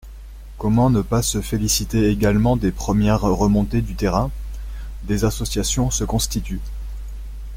Comment ne pas se féliciter également des premières remontées du terrain ? Des associations se constituent.